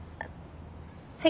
はい。